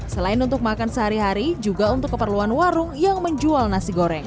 selain untuk makan sehari hari juga untuk keperluan warung yang menjual nasi goreng